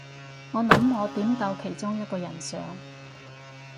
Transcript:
我諗我點到其中一個人相